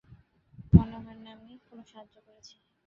মনে হয় না আমি কোনো সাহায্য করেছি।